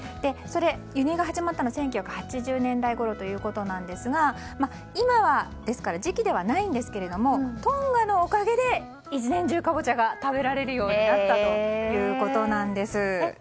輸入が始まったのは１９８０年代ごろということですが今は時期ではないんですけどもトンガのおかげで１年中カボチャが食べられるようになったということなんです。